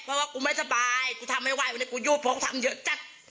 เพราะว่ากูไม่สบายกูทำไม่ไหววันนี้กูอยู่เพราะทำเยอะจัด